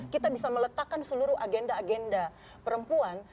kita bisa meletakkan seluruh agenda agenda perempuan